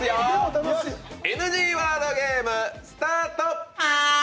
ＮＧワードゲームスタート。